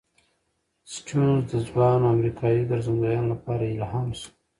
سټيونز د ځوانو امریکايي ګرځندویانو لپاره الهام شو.